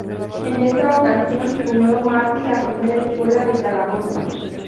En esta ocasión fundó Martí la primera escuela de "Calabozo".